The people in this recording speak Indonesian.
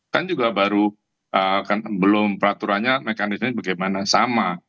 kan juga baru belum peraturannya mekanismenya bagaimana sama